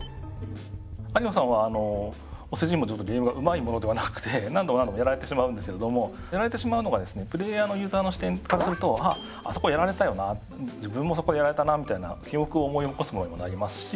有野さんはお世辞にもゲームがうまいものではなくて何度も何度もやられてしまうんですけれどもやられてしまうのがですねプレーヤーのユーザーの視点からするとあっあそこやられたよな自分もそこやられたなみたいな記憶を思い起こすものにもなりますし。